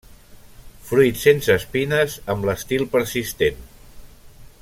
Fruit sense espines amb l'estil persistent.